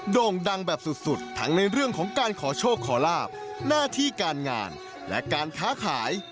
โด่งดังแบบสุดทั้งในเรื่องของการขอโชคขอลาบหน้าที่การงานและการค้าขาย